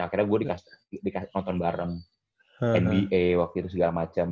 akhirnya gue dikasih nonton bareng nba waktu itu segala macem